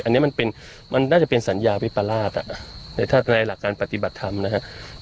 อันนี้มันเป็นมันน่าจะเป็นสัญญาวิปราชถ้าในหลักการปฏิบัติธรรมนะครับ